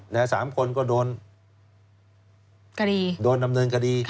แล้ว๓คนก็โดนดำเนินกดี